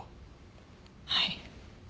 はい。